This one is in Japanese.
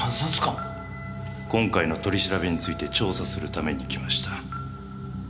今回の取り調べについて調査するために来ました。